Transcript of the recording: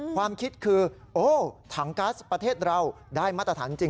ความคิดคือโอ้ถังก๊าซประเทศเราได้มาตรฐานจริง